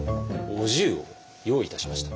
お重を用意いたしました。